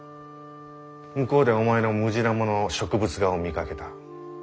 向こうでお前のムジナモの植物画を見かけた。